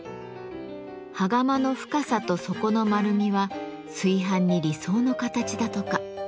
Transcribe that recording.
羽釜の深さと底の丸みは炊飯に理想の形だとか。